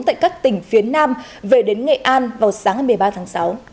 tại các tỉnh phía nam về đến nghệ an vào sáng ngày một mươi ba tháng sáu